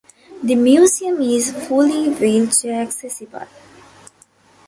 The museum is fully wheelchair accessible.